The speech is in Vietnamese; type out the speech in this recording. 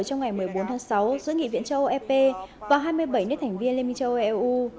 trong ngày một mươi bốn tháng sáu giữa nghị viện châu âu ep và hai mươi bảy nước thành viên liên minh châu âu eu